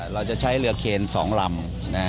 เราจะใช้เรือเคน๒ลำ